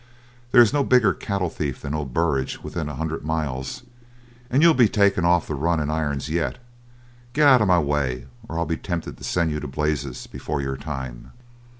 There is not a bigger cattle thief than old Burridge within a hundred miles, and you'll be taken off the run in irons yet. Get out of my way, or I'll be tempted to send you to blazes before your time."